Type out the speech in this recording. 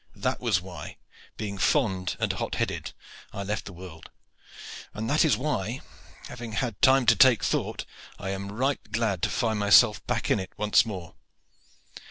That was why, being fond and hot headed, I left the world; and that is why, having had time to take thought, I am right glad to find myself back in it once more.